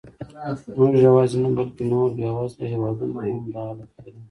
موږ یواځې نه، بلکې د نورو بېوزلو هېوادونو هم همدا حالت لري.